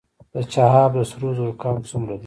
د چاه اب د سرو زرو کان څومره دی؟